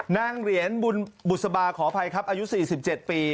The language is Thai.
นางเหรียญบุษบาขออภัยครับอายุ๔๗ปี